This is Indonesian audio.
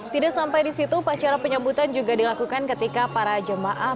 tidak sampai di situ upacara penyambutan juga dilakukan ketika para jemaah